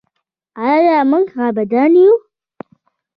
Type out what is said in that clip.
آیا موږ عابدان یو؟